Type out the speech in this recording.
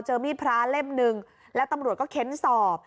เจอมีดพระเล็บหนึ่งและตำรวจก็เค้นทรอบ